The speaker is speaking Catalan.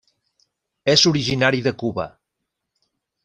És originari de Cuba.